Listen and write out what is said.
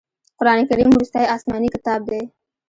قرآن کریم وروستی اسمانې کتاب دی.